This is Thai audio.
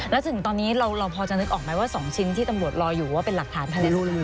แล้วถึงตอนนี้เราพอจะนึกออกไหมว่า๒ชิ้นที่ตำรวจรออยู่ว่าเป็นหลักฐานภายในรูเรือ